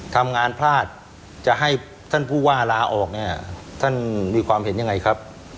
ทำงานพลาดจะให้ท่านผู้ว่าลาออกเนี่ยท่านมีความเห็นยังไงครับ